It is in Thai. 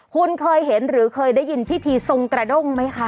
คุณเคยเห็นหรือเคยได้ยินพิธีทรงกระด้งไหมคะ